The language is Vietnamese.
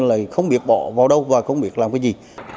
lại không biết bỏ vào đâu và không biết làm cái gì